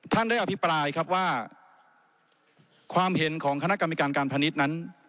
ท่านได้อภิปรายครับว่าความเห็นของคณะกรรมการการพาณิชย์นั้น